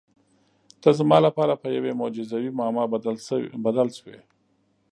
ته زما لپاره په یوې معجزوي معما بدل شوې.